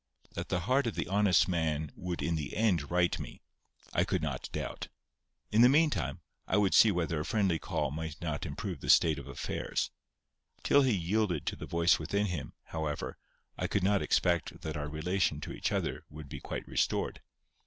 That the heart of the honest man would in the end right me, I could not doubt; in the meantime I would see whether a friendly call might not improve the state of affairs. Till he yielded to the voice within him, however, I could not expect that our relation to each other would be quite restored.